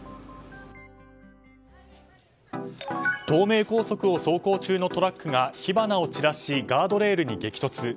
東名高速を走行中のトラックが火花を散らしガードレールに激突。